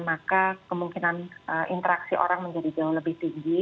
maka kemungkinan interaksi orang menjadi jauh lebih tinggi